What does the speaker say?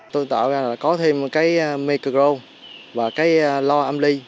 tôi tạo ra là có thêm một cái micro gro và cái lo âm ly